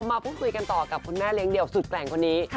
มาพูดคุยกันต่อกับคุณแม่เลี้ยเดี่ยวสุดแกร่งคนนี้